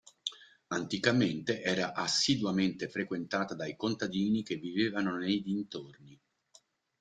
Anticamente era assiduamente frequentata dai contadini che vivevano nei dintorni.